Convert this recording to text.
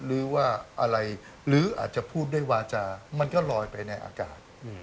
หรือว่าอะไรหรืออาจจะพูดด้วยวาจามันก็ลอยไปในอากาศ